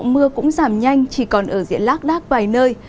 mưa cũng giảm nhanh chỉ còn ở diện lác đác vài nơi